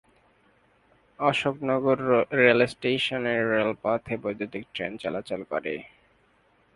Ashoknagar road railway স্টেশনের রেলপথে বৈদ্যুতীক ট্রেন চলাচল করে।